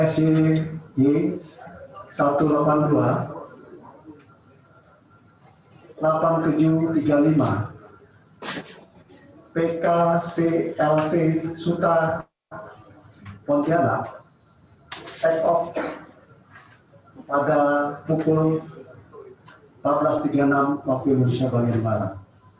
sj satu ratus delapan puluh dua delapan ribu tujuh ratus tiga puluh lima pkclc suta pontianak head of pada pukul empat belas tiga puluh enam waktu indonesia banyar barat